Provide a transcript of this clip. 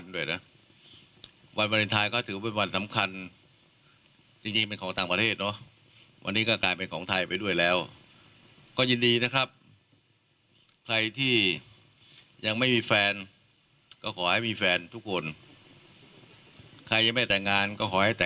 เดี๋ยวลองฟังแล้วกันนะครับ